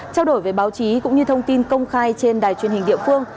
trao đổi với báo chí cũng như thông tin công khai trên đài truyền hình địa phương